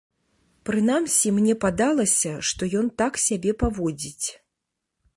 Прынамсі, мне падалася, што ён так сябе паводзіць.